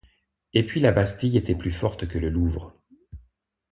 Et puis la Bastille était plus forte que le Louvre.